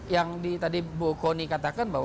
yang tadi bu kony katakan bahwa